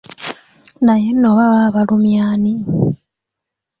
Naye nno oba baba balumya ani?